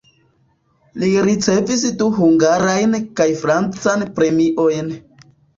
Li ricevis du hungarajn kaj francan premiojn.